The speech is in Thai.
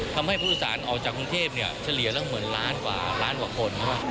ทำให้ผู้โดยสารออกจากกรุงเทพเนี่ยเฉลี่ยละเหมือนล้านกว่าคน